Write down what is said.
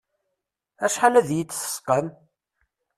Acḥal ad yi-id-tesqam.